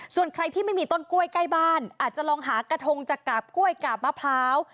ส่วนใครที่ไม่มีต้นกล้วยใกล้บ้านอาจจะลองหากระทงจากกาบกล้วยกาบมะพร้าว